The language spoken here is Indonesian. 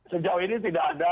sejauh ini tidak ada